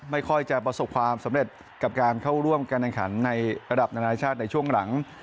ไม่ค่อยจะประสบความสำเร็จกับการเข้าร่วมการแข่งขันในระดับนานาชาติในช่วงหลัง